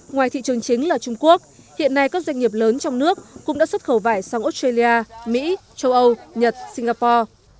ngoài thị trường chính là trung quốc hiện nay các doanh nghiệp lớn trong nước cũng đã xuất khẩu vải sang australia mỹ châu âu nhật singapore